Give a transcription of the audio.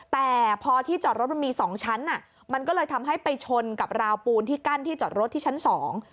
แต่พอที่จอดรถมันมีสองชั้นอ่ะมันก็เลยทำให้ไปชนกับราวปูนที่กั้นที่จอดรถที่ชั้นสอง